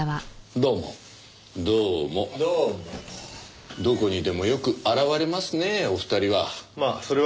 どこにでもよく現れますねえお二人は。